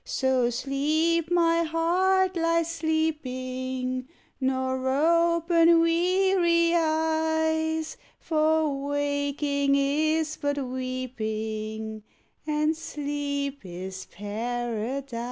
So sleep my heart lie sleeping Nor open weary eyes, For waking is but weeping And Sleep is Paradise.